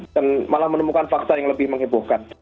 dan malah menemukan fakta yang lebih menghiburkan